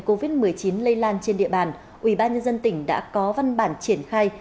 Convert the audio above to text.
covid một mươi chín lây lan trên địa bàn ubnd tỉnh đã có văn bản triển khai